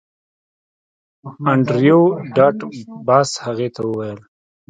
انډریو ډاټ باس هغې ته وویل